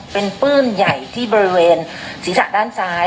เป็นปื้มใหญ่ที่บริเวณศีรษะด้านซ้าย